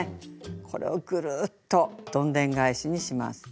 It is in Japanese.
これをぐるっとどんでん返しにします。